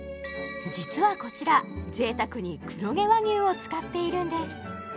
実はこちら贅沢に黒毛和牛を使っているんです